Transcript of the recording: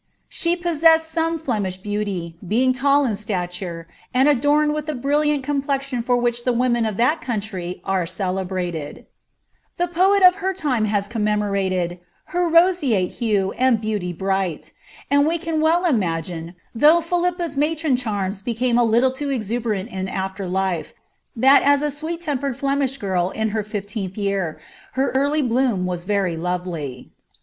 She powessed some Flemish beauty, being tall in stature, and adorned with th« brillianl complexion fur which the women of that country are cele A poel of her lime has commemoraled " her roseate hue and beauty Vr^l;" and we can well imagine, though Phdippa's matixin charms Wsme a little too exuberant in after life, that, as a sweet tempered Flem isbeirl in her fifteenth year, her early bloom was very lovely.